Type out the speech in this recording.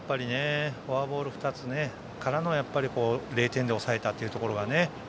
フォアボール２つから０点で抑えたというところはね。